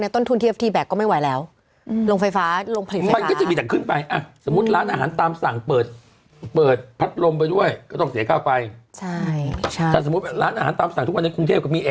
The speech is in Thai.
ถูกถ้าเอาจริงนี่